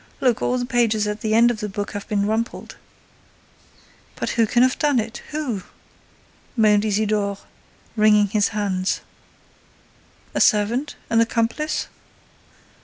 Look, all the pages at the end of the book have been rumpled." "But who can have done it? Who?" moaned Isidore, wringing his hands. "A servant? An accomplice?"